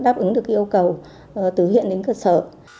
đáp ứng được yêu cầu từ huyện đến cơ sở